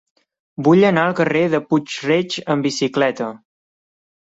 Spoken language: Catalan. Vull anar al carrer de Puig-reig amb bicicleta.